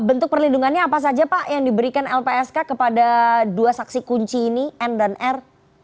bentuk perlindungannya apa saja pak yang diberikan lpsk kepada dua saksi kunci ini n dan r